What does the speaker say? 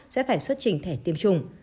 sẽ phải xuất trình thẻ tiêm chủng